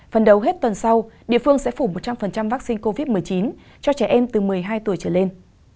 phần đầu hết tuần sau địa phương sẽ phủ một trăm linh vaccine covid một mươi chín cho trẻ em từ một mươi hai tuổi trở lên